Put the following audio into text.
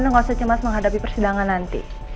panina gak usah cemas menghadapi persidangan nanti